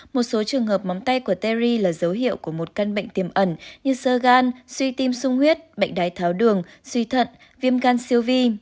một số trường hợp món tay của terry là dấu hiệu của một căn bệnh tiềm ẩn như sơ gan suy tim sung huyết bệnh đái tháo đường suy thận viêm gan siêu vi